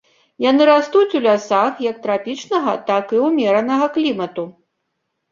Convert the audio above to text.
Яны растуць у лясах як трапічнага, так і ўмеранага клімату.